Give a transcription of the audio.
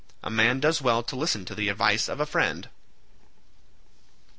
A man does well to listen to the advice of a friend."